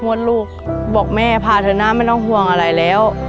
วดลูกบอกแม่พาเถอะนะไม่ต้องห่วงอะไรแล้ว